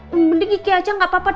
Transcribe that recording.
mbak mbak tadi kiki aja gakpapa